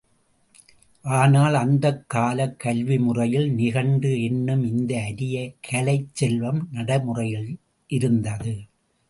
ஆனால் அந்தக் காலக் கல்வி முறையில் நிகண்டு என்னும் இந்த அரிய கலைச் செல்வம் நடைமுறையில் இருந்தது.